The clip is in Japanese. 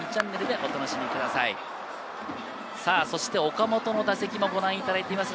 岡本の打席をご覧いただいています。